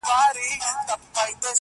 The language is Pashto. هوښ له سره د چا ځي چي یې لیدلې-